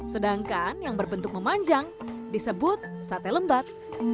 sedangkan yang berbentuk memanjang disebut sate lembat